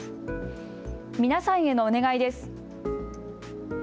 皆さんへのお願いです。